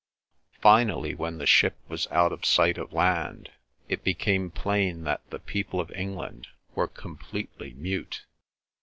Finally, when the ship was out of sight of land, it became plain that the people of England were completely mute.